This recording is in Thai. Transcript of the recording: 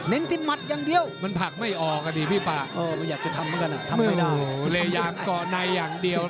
มันพูดว่าเฮ้ทักพีชลก่อนไยอย่างเดียว